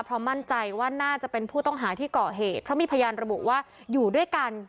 เพราะมั่นใจว่าน่าจะเป็นผู้ต้องหาที่เกาะเหตุเพราะมีพยานระบุว่าอยู่ด้วยกัน